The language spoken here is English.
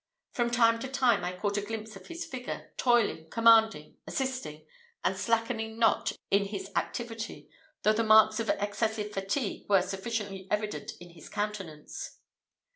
From time to time I caught a glimpse of his figure, toiling, commanding, assisting, and slackening not in his activity, though the marks of excessive fatigue were sufficiently evident in his countenance.